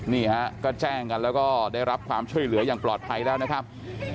นี่ฮะก็แจ้งกันแล้วก็ได้รับความช่วยเหลืออย่างปลอดภัยแล้วนะครับ